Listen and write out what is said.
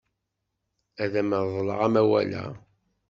Ad am-reḍleɣ amawal-a.